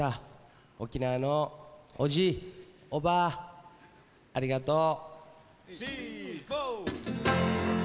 沖縄のおじいおばあありがとう。